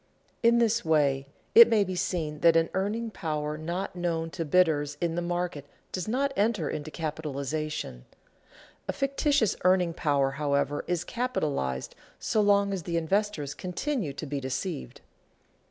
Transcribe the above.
In this way it may be seen that an earning power not known to bidders in the market does not enter into capitalization; a fictitious earning power, however, is capitalized so long as the investors continue to be deceived.